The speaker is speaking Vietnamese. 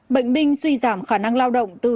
bệnh binh suy giảm khả năng lao động từ tám mươi